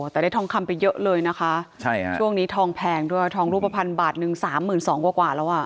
แต่ได้ทองคำไปเยอะเลยนะคะช่วงนี้ทองแพงด้วยทองรูปภัณฑ์บาทนึง๓๒๐๐๐กว่าแล้ว